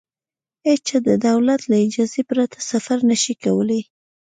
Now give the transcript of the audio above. هېچا د دولت له اجازې پرته سفر نه شوای کولای.